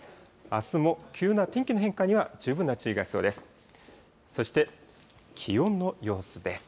あすも急な天気の変化には十分な注意が必要です。